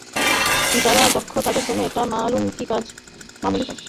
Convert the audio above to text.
যারা দক্ষ তাদের জন্য এটা মামুলি কাজ।